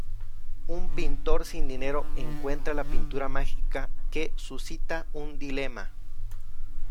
Un pintor sin dinero encuentra la pintura mágica que suscita un dilema.